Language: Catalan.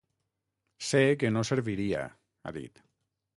Sé que no serviria, ha dit.